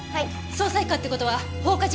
捜査一課って事は放火事件ですか？